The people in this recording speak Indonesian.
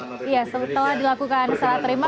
setelah dilakukan selat terima